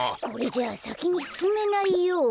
これじゃあさきにすすめないよ。